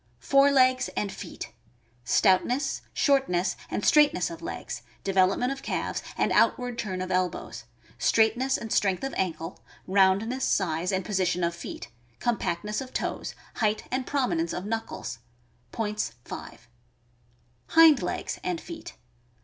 Fore legs and feet. — Stoutness, shortness, and straight ness of legs, development of calves, and outward turn of elbows; straightness and strength of ankle; roundness, size, and position of feet; compactness of toes; height and prominence of knuckles. Points, 5. Hind legs and feet.